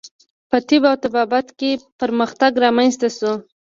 په طب او طبابت کې پرمختګ رامنځته شو.